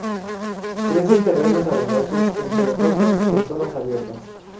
Crece en terrenos arenosos, entre rocas en zonas abiertas.